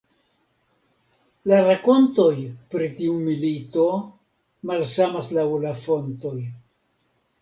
La rakontoj pri tiu milito malsamas laŭ la fontoj.